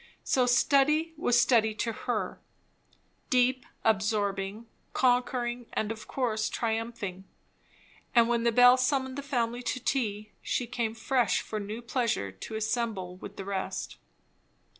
So study was study to her; deep, absorbing, conquering, and of course triumphing. And when the bell summoned the family to tea, she came fresh for new pleasure to assemble with the rest.